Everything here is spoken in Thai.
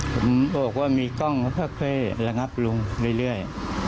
ผมบอกว่ามีกล้องค่อยระงับลุงเรื่อย